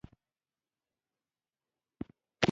په افغانستان کې مېوې د خلکو له بېلابېلو اعتقاداتو سره تړاو لري.